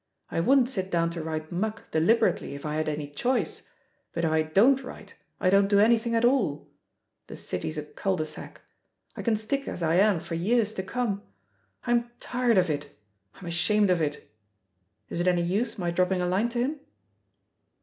I wouldn't sit down to write muck deliberately if I had any choice, but if I don't write, I don't do anything at all — ^the City's a cul de sac. I can stick as I am for years to come. I'm tired of it, I'm ashamed of it. ... Is it any use my drop ping a line to him?"